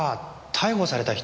「逮捕された人」。